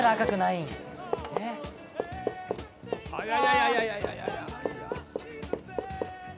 いやいやいやいや！